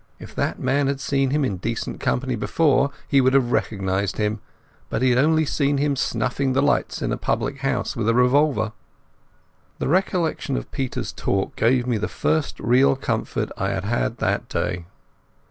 If that man had seen him in decent company before he would have recognized him; but he had only seen him snuffing the lights in a public house with a revolver. The recollection of Peter's talk gave me the first real comfort that I had had that day.